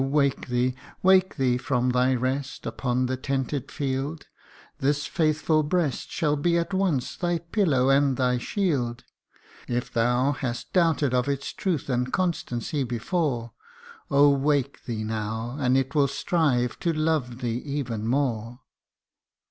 wake thee wake thee from thy rest upon the tented field : This faithful breast shall be at once thy pillow and thy shield ; If thou hast doubted of its truth and constancy before, Oh ! wake thee now, and it will strive to love thee even more.